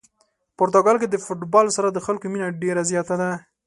پرتګال کې د فوتبال سره د خلکو مینه ډېره زیاته ده.